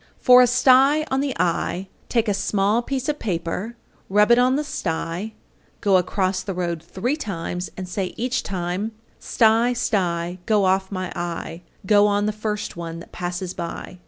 _ 829. For a sty on the eye, take a small piece of paper, rub it on the sty, go across the road three times, and say each time, Sty, sty, go off my eye, Go on the first one that passes by.